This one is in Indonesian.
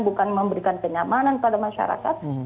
bukan memberikan kenyamanan pada masyarakat